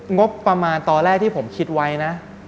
งบประมาณตอนแรกที่ผมคิดไว้นะ